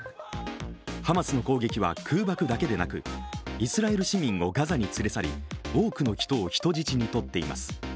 ハマスの攻撃は空爆だけでなくイスラエル市民をガザに連れ去り、多くの人を人質にとっています。